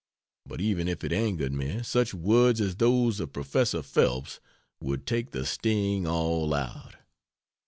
But even if it angered me such words as those of Professor Phelps would take the sting all out.